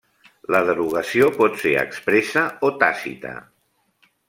La derogació pot ser expressa o tàcita.